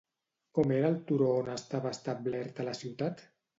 Com era el turó on estava establerta la ciutat?